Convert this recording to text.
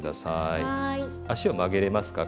足を曲げれますか？